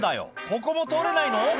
ここも通れないの？」